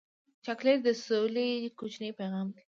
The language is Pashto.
چاکلېټ د سولې کوچنی پیغام دی.